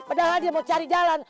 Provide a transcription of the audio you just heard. padahal dia mau cari jalan